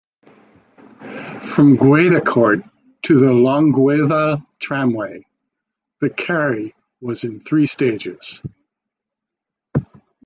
From Gueudecourt to the Longueval tramway, the carry was in three stages.